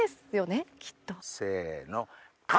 せの。